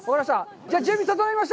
じゃあ、準備整いました！